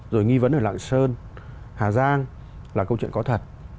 rồi nghi vấn ở lạng sơn hà giang là câu chuyện có thật